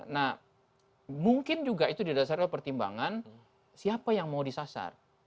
nah mungkin juga itu didasarkan pertimbangan siapa yang mau disasar